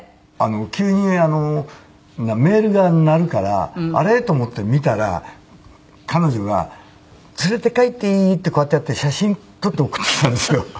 急にメールが鳴るからあれ？と思って見たら彼女が「連れて帰っていい？」ってこうやってやって写真撮って送ってきたんですよ。